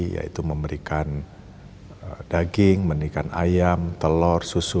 yaitu memberikan daging memberikan ayam telur susu